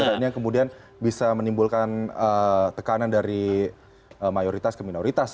nah ini yang kemudian bisa menimbulkan tekanan dari mayoritas ke minoritas